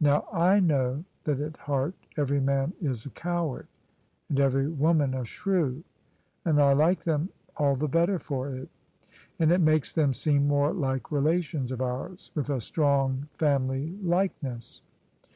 Now I know that at heart every man is a coward and every woman a shrew, and I like them all the better for it: and it makes them seem more like relations of ours, with a strong family likeness."